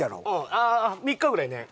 ああ３日ぐらい寝ん。